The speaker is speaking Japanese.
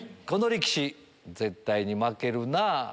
この力士絶対に負けるなぁ。